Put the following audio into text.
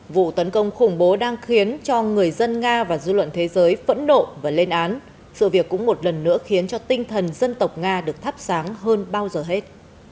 vụ tấn công khủng bố đang khiến cho người dân nga và dư luận thế giới phẫn nộ và lên án sự việc cũng một lần nữa khiến cho tinh thần dân tộc nga được thắp sáng hơn bao giờ hết